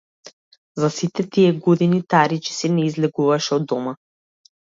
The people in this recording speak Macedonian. За сите тие години, таа речиси не излегуваше од дома.